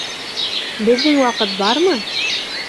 Беҙҙең ваҡыт бармы?